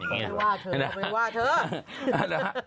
แนะนำว่าเถอะ